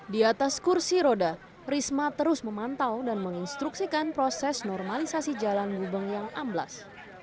di atas kursi roda risma terus memantau dan menginstruksikan proses normalisasi jalan gubeng yang amblas